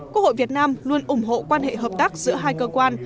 quốc hội việt nam luôn ủng hộ quan hệ hợp tác giữa hai cơ quan